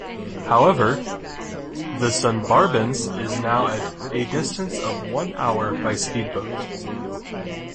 However, the Sundarbans is now at a distance of one-hour by speed boat.